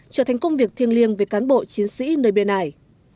trở thành công việc thiêng liêng về cán bộ chiến sĩ nơi bên này